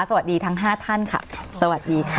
สวัสดีทั้งห้าท่านค่ะสวัสดีค่ะ